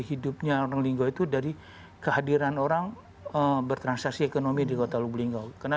hidupnya orang wulinggo itu dari kehadiran orang bertransaksi ekonomi di kota wulinggo karena